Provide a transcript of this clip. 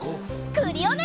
クリオネ！